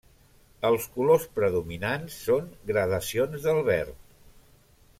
Els colors predominants són gradacions del verd.